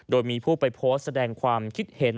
โดยมีผู้ไปโพสต์แสดงความคิดเห็น